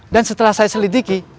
dan setelah saya selidiki